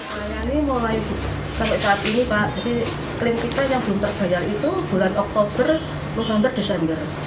melayani mulai sampai saat ini pak jadi klaim kita yang belum terbayar itu bulan oktober november desember